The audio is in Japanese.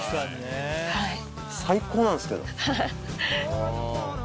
最高なんですけど。